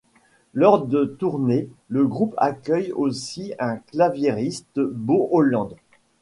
Lors de tournées, le groupe accueille aussi un claviériste, Beau Holland.